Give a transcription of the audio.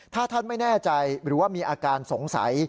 ถ้าท่านไม่แน่ใจหรือว่ามีอาการสงสัย